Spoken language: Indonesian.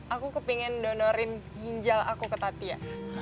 aku kepingin donorin ginjal aku ke tatia